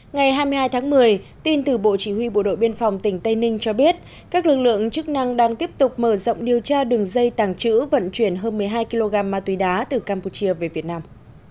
ngày hai mươi hai tháng một mươi tin từ bộ chỉ huy bộ đội biên phòng tỉnh tây ninh cho biết các lực lượng chức năng đang tiếp tục mở rộng điều tra đường dây tàng trữ vận chuyển hơn một mươi hai kg ma túy đá từ campuchia về việt nam